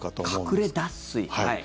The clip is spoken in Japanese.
隠れ脱水。